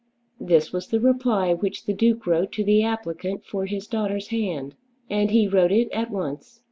This was the reply which the Duke wrote to the applicant for his daughter's hand. And he wrote it at once.